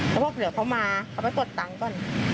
เขาบอกเดี๋ยวเขามาเขาไปกดตังค์ก่อน